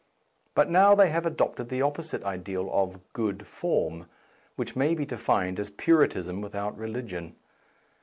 But now they have adopted the opposite ideal of " good form," which may be defined as Puritanism without religion.